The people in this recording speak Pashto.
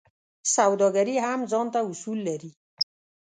سوداګري هم ځانته اصول لري.